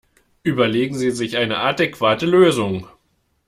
Überlegen Sie sich eine adäquate Lösung!